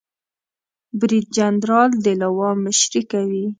بریدجنرال د لوا مشري کوي